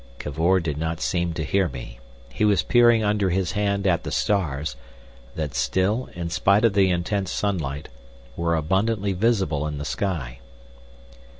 Cavor did not seem to hear me. He was peering under his hand at the stars, that still, in spite of the intense sunlight, were abundantly visible in the sky.